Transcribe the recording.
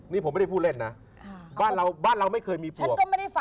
นี่ผมไม่ได้พูดเล่นนะบ้านเราไม่เคยมีปวก